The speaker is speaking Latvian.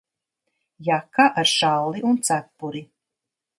Jaka ar šalli un cepuri.